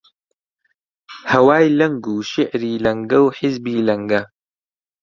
هەوای لەنگ و شیعری لەنگە و حیزبی لەنگە: